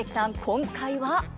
今回は？